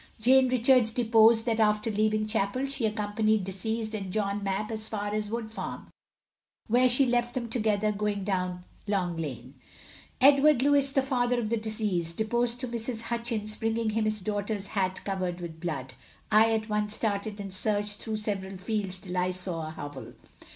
Jane Richards deposed that after leaving chapel she accompanied deceased and John Mapp as far as Wood Farm, where she left them together going down Long lane. Edward Lewis, the father of the deceased, deposed to Mrs. Hutchins bringing him his daughter's hat covered with blood. I at once started in search through several fields till I saw a hovel.